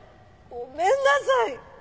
ごめんなさい！